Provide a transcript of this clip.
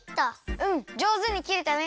うんじょうずにきれたね。